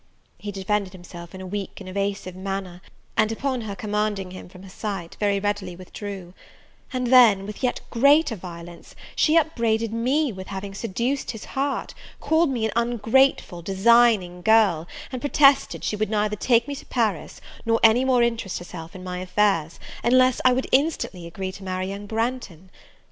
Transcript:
He defended himself in a weak and evasive manner; and, upon her commanding him from her sight, very readily withdrew: and then, with yet greater violence, she upbraided me with having seduced his heart, called me an ungrateful, designing girl, and protested she would neither take me to Paris, nor any more interest herself in my affairs, unless I would instantly agree to marry young Branghton.